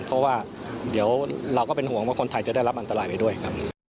เพราะว่าเดี๋ยวเราก็เป็นห่วงว่าคนไทยจะได้รับอันตรายไปด้วยครับ